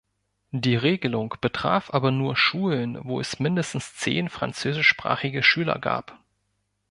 Die Regelung betraf aber nur Schulen, wo es mindestens zehn französischsprachige Schüler gab.